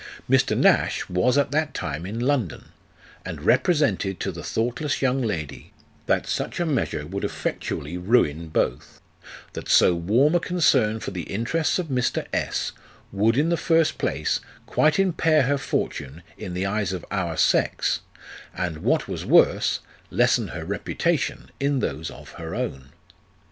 Mr. Nash was at that time in London, and represented to the thought less young lady, that such a measure would effectually ruin both ; that so warm a concern for the interests of Mr. S would in the first place quite impair her fortune in the eyes of our sex, and what was worse, lessen her reputation in those of her own.